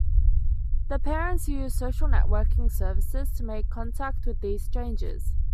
The parents use social networking services to make contact with these strangers.